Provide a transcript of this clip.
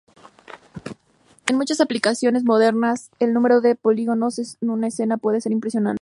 En muchas aplicaciones modernas, el número de polígonos en una escena puede ser impresionante.